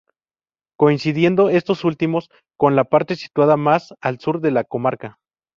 Coincidiendo estos últimos, con la parte situada más al Sur de la comarca.